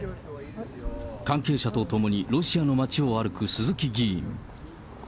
関係者と共にロシアの街を歩く鈴木議員。